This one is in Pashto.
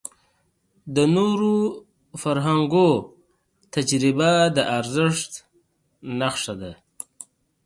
د نورو فرهنګونو تجربه د ارزښت نښه ده.